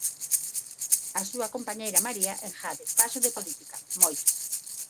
A súa compañeira María engade: "paso de política, moito".